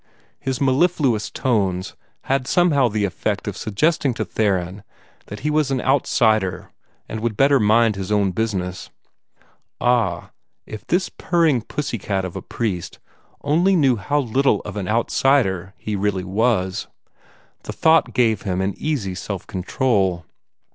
His mellifluous tones had somehow the effect of suggesting to Theron that he was an outsider and would better mind his own business. Ah, if this purring pussy cat of a priest only knew how little of an outsider he really was! The thought gave him an easy self control.